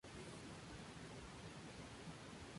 Bonifacio lo apoyó y comenzaron de nuevo los envíos de grano.